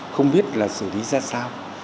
không biết là xử lý ra sao